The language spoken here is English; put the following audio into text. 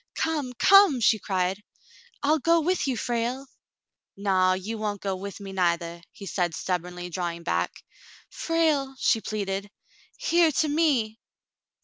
"Come, come!" she cried. "I'll go with you, Frale." "Naw, you won't go with me neithah," he said stub bornly, drawing back. "Frale !" she pleaded. "Hear to me."